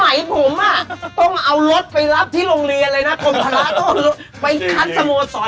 สมัยผมอะต้องเอารถไปรับที่โรงเรียนเลยนะ